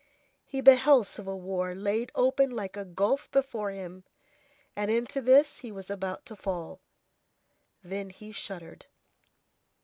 He beheld civil war laid open like a gulf before him, and into this he was about to fall. Then he shuddered.